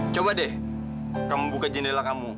coba deh kamu buka jendela kamu